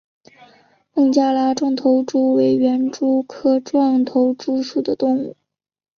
孟加拉壮头蛛为园蛛科壮头蛛属的动物。